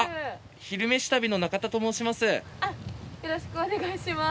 「昼めし旅」の中田と申します。